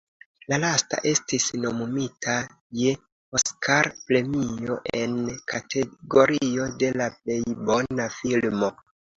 La lasta estis nomumita je Oskar-premio en kategorio de la plej bona filmo.